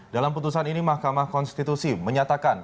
dalam putusan ini mahkamah konstitusi menyatakan